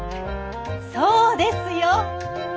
そうですよ。